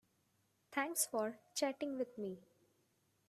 Thanks for chatting with me.